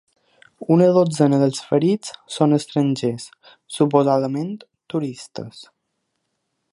Una dotzena dels ferits són estrangers, suposadament turistes.